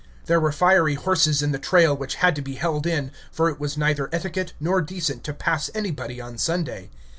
There were fiery horses in the trail which had to be held in, for it was neither etiquette nor decent to pass anybody on Sunday.